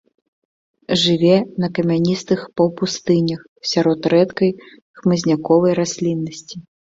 Жыве на камяністых паўпустынях, сярод рэдкай хмызняковай расліннасці.